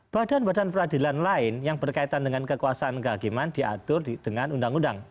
badan badan peradilan lain yang berkaitan dengan kekuasaan kehakiman diatur dengan undang undang